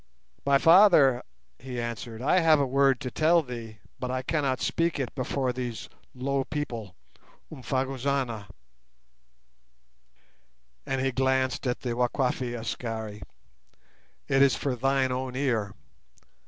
"My Father," he answered, "I have a word to tell thee, but I cannot speak it before these low people (umfagozana)," and he glanced at the Wakwafi Askari; "it is for thine own ear.